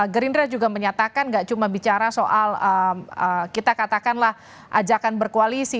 gerindra juga menyatakan gak cuma bicara soal kita katakanlah ajakan berkoalisi